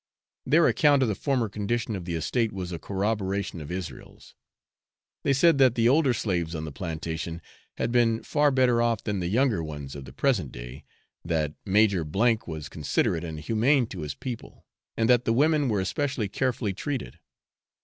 Their account of the former condition of the estate was a corroboration of Israel's. They said that the older slaves on the plantation had been far better off than the younger ones of the present day; that Major was considerate and humane to his people; and that the women were especially carefully treated.